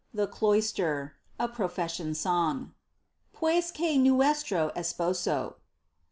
THE CLOISTER. A PROFESSION SONG. Pues que nuestro Esposo.